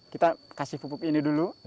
kita kasih pupuk ini dulu